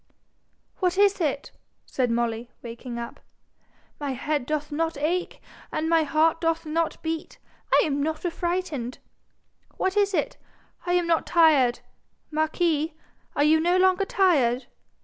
'What is it?' said Molly, waking up. 'My head doth not ache, and my heart doth not beat, and I am not affrighted. What is it? I am not tired. Marquis, are you no longer tired?